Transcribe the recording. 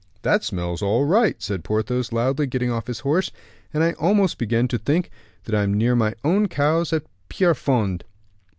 "That smells all right," said Porthos, loudly, getting off his horse, "and I almost begin to think I am near my own cows at Pierrefonds."